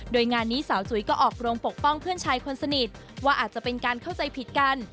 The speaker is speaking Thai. โดยงานนี้สาวจุ๋ยก็ออกโรงปกป้องเพื่อนชายคนสนิทว่าอาจจะเป็นการเข้าใจผิดกัน